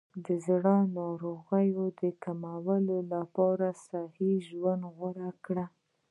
د زړه ناروغیو د کمولو لپاره صحي ژوند غوره کړئ.